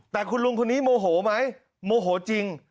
แต่คุณลุงคนนี้โมโหไหมโมโหจริง